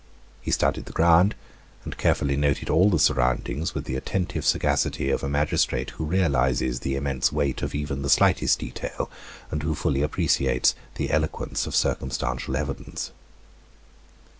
He studied the ground, and carefully noted all the surroundings with the attentive sagacity of a magistrate who realizes the immense weight of even the slightest detail, and who fully appreciates the eloquence of circumstantial evidence.